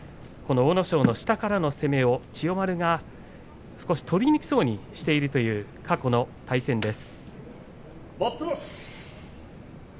下からの攻め千代丸が取りにくそうにしているという過去の対戦です。